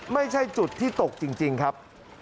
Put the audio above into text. ไม่ใช่จุดที่ตกจริงครับ